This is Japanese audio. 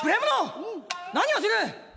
何をする！」。